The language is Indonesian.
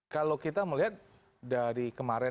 kalau kita melihat dari kemarin